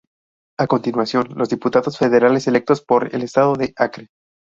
A continuación los diputados federales electos por el estado de Acre.